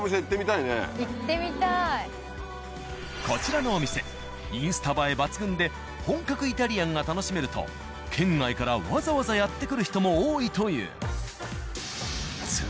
こちらのお店インスタ映え抜群で本格イタリアンが楽しめると県外からわざわざやって来る人も多いという。